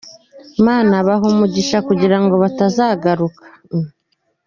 Mana, bahe umugisha kugira ngo batazagaruka.